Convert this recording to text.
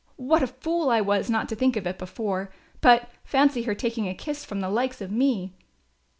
What a fool I was not to think of it before. But fancy her taking a kiss from the likes of me!"